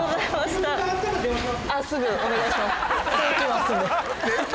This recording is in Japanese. すぐお願いします。